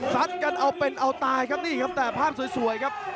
กันเอาเป็นเอาตายครับนี่ครับแต่ภาพสวยครับ